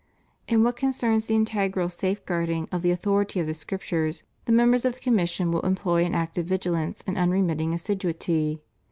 In what concerns the integral safeguarding of the au thority of the Scriptures, the members of the commission will employ an active vigilance and unremitting assiduity.